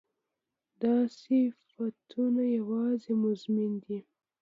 دا صفتونه يواځې مضامين دي